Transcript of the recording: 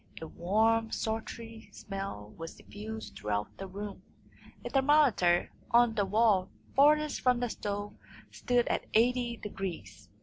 A warm, sultry smell was diffused throughout the room. A thermometer on the wall farthest from the stove stood at eighty degrees.